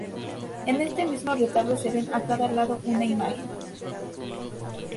En este mismo retablo se ven a cada lado una imagen.